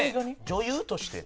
女優として？